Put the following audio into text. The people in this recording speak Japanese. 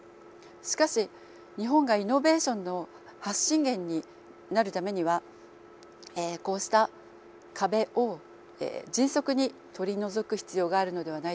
しかし日本がイノベーションの発信源になるためにはこうした壁を迅速に取り除く必要があるのではないでしょうか。